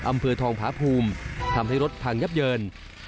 อำเภอทองผาภูมิทำให้รถพังยับเยิน